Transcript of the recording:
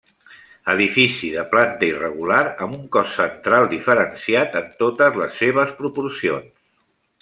Edifici de planta irregular amb un cos central diferenciat en totes les seves proporcions.